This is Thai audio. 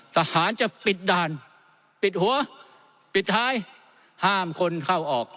ทหารจะปิดด่านปิดหัวปิดท้ายห้ามคนเข้าออก